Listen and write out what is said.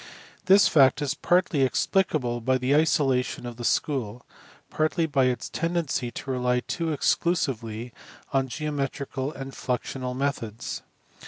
This fact is partly explicable by the isolation of the school, partly by its tendency to rely too exclusively on geometrical and fiuxioiial methods.